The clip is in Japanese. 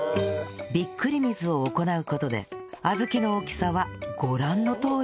ビックリ水を行う事で小豆の大きさはご覧のとおり